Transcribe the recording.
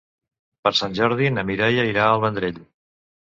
Per Sant Jordi na Mireia irà al Vendrell.